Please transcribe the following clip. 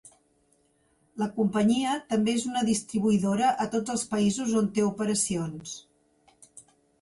La Companyia també és una distribuïdora a tots els països on té operacions.